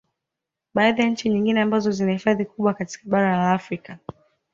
Baadhi ya nchi nyingine ambazo zina hifadhi kubwa katika bara la Afrika